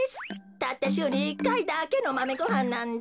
たったしゅうに１かいだけのマメごはんなんだ。